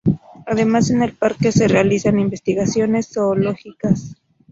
Además en el parque se realizan investigaciones zoológicas.